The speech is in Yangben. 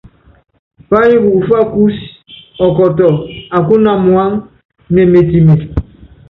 Pányi kukufá kúúsí, ɔkɔtɔ akúna muáŋá, nemetime.